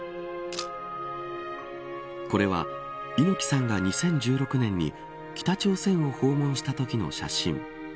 これは、猪木さんが２０１６年に北朝鮮を訪問したときの写真。